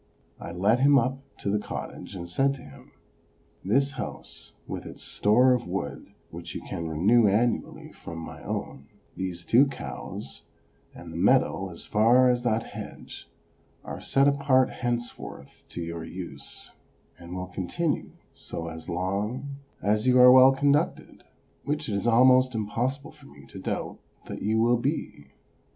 I led him up to the cottage and said to him :" This house, with its store of wood, which you can renew annually from my own, these two cows, and the meadow as far as that hedge, are set apart henceforth to your use, and will continue so as long OBERMANN 323 as you are well conducted, which it is almost impossible for me to doubt that you will be."